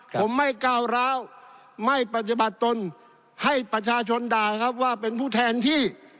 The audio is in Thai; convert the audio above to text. ผมไม่ก้าวร้าวไม่ปฏิบัติตนให้ประชาชนด่าครับว่าเป็นผู้แทนที่